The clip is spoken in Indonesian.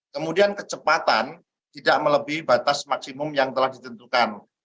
kemudian kecepatan tidak melebihi batas maksimum yang telah ditentukan